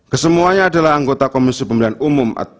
kesemuanya adalah anggota komisi pemilihan umum